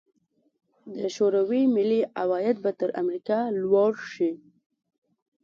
د شوروي ملي عواید به تر امریکا لوړ شي.